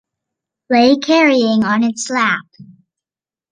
lay carrying on its lap.